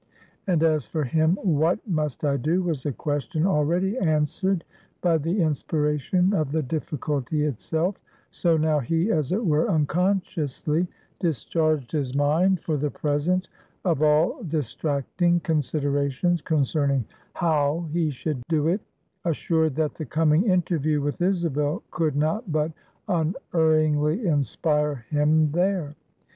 And as for him, What must I do? was a question already answered by the inspiration of the difficulty itself; so now he, as it were, unconsciously discharged his mind, for the present, of all distracting considerations concerning How he should do it; assured that the coming interview with Isabel could not but unerringly inspire him there.